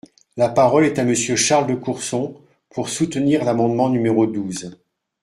La parole est à Monsieur Charles de Courson, pour soutenir l’amendement numéro douze.